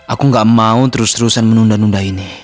aku gak mau terus terusan menunda nunda ini